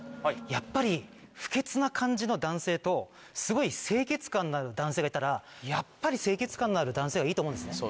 やっぱり不潔な感じの男性とすごい清潔感のある男性がいたらやっぱり清潔感のある男性がいいと思うんですね。